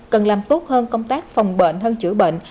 cần làm tốt hơn công tác phòng bệnh hơn chữa bệnh